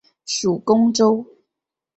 属恭州。